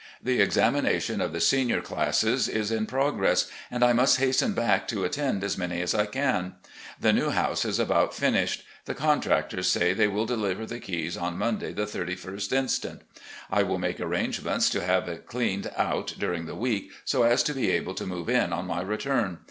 The examination of the senior classes is in progress, and I must hasten back to attend as many as I can. The new house is about finished. The contractors say they will deliver the keys on Monday, the 31st inst. I will make arrangements to have it cleaned out during the week, so as to be able to move in on my return.